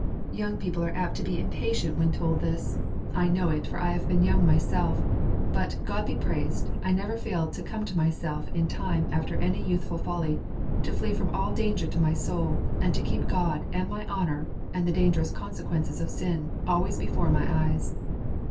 Young people are apt to be impatient when told this; I know it, for I have been young myself; but, God be praised, I never failed to come to myself in time after any youthful folly, to flee from all danger to my soul, and to keep God and my honour, and the dangerous consequences of sin, always before my eyes.